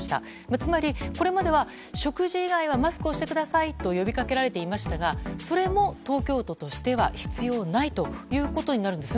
つまり、これまでは食事以外はマスクをしてくださいと呼びかけられていましたがそれも東京都としては必要ないということになるんですね。